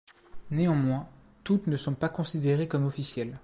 Néanmoins toutes ne sont pas considérés comme officielles.